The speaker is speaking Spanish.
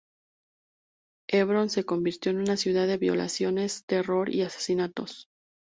Hebrón se convirtió en una ciudad de violaciones, terror y asesinatos.